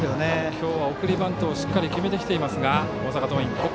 今日は送りバントしっかり決めてきていますが大阪桐蔭。